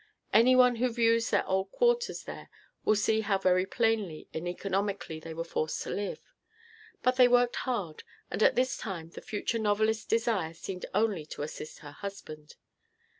Any one who views their old quarters there will see how very plainly and economically they were forced to live. But they worked hard, and at this time the future novelist's desire seemed only to assist her husband.